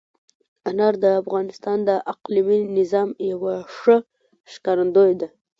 انار د افغانستان د اقلیمي نظام یوه ښه ښکارندوی ده.